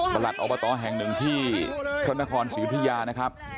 ประหลัดออบตแห่งหนึ่งที่ชนครศิพยานะครับ